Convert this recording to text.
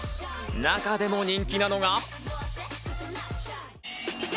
中でも人気なのが。